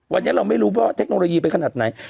วันนี้เราไม่รู้ว่าเทคโนโลยีเป็นขนาดไหน